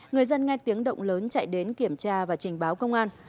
người dân nghe tiếng động lớn chạy đến kiểm tra và trình báo công an